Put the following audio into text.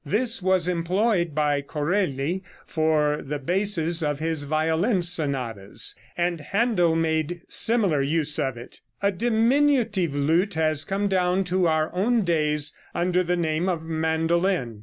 This was employed by Corelli for the basses of his violin sonatas, and Händel made similar use of it. A diminutive lute has come down to our own days under the name of Mandolin.